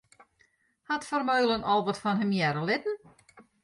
Hat Vermeulen al wat fan him hearre litten?